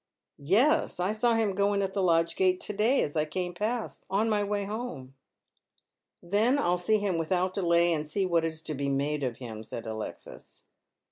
"" Yes. I saw him go in at the lodge gate to day as I came past on my way home." " Then I'll see him without delay, and see what is to be made of him," says Alexis.